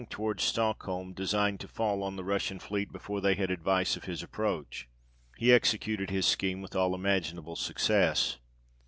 71 Stockholm, designed to fall on the Russian fleet before they had advice of his approach. He executed his scheme with all imaginable success.